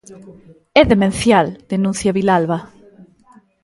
"É demencial", denuncia Vilalba.